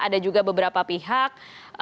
ada juga beberapa pihak